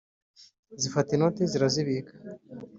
zifata inoti zirazibika